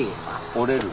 折れる。